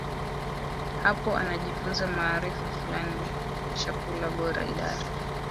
hapo anajifunza maarifa fulani chakula bora Idara